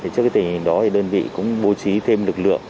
trước tình hình đó đơn vị cũng bố trí thêm lực lượng